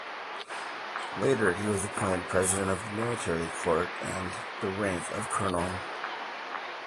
Later he was appointed president of the Military Court with the rank of colonel.